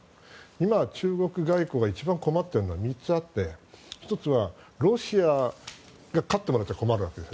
今は中国外交が一番困っているのは３つあって１つはロシアに勝ってもらっちゃ困るわけです。